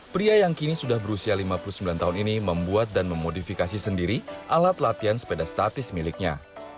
pria yang kini sudah berusia lima puluh sembilan tahun ini membuat dan memodifikasi sendiri alat latihan sepeda statis miliknya